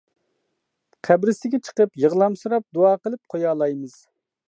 قەبرىسىگە چىقىپ يىغلامسىراپ دۇئا قىلىپ قويالايمىز.